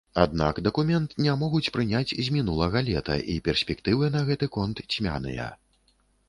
Аднак дакумент не могуць прыняць з мінулага лета, і перспектывы на гэты конт цьмяныя.